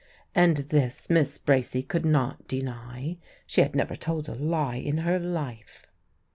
And this Miss Bracy could not deny. She had never told a lie in her life.